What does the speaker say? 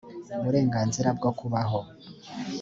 uburenganzira bwo kubaho